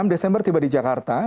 enam desember tiba di jakarta